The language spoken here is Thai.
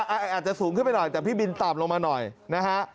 อาจจะสูงขึ้นไปหน่อยแต่พี่บินต่ำลงมาหน่อยนะฮะ